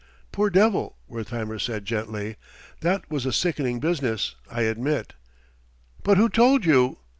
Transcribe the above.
"Poor devil!" Wertheimer said gently. "That was a sickening business, I admit. But who told you